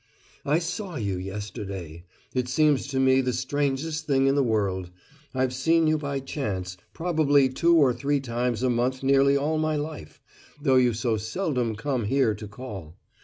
"I saw You yesterday! It seems to me the strangest thing in the world. I've seen you by chance, probably two or three times a month nearly all my life, though you so seldom come here to call.